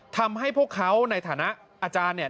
ทำให้พวกเขาในฐานะอาจารย์เนี่ย